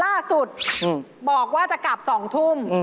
ล่าสุดบอกว่าจะกลับ๒ทุ่ม